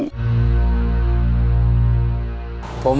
นำมนุษย์อาร์มปรากฎ